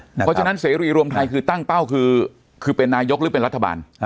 เพราะฉะนั้นเสรีรวมไทยคือตั้งเป้าคือเป็นนายกหรือเป็นรัฐบาล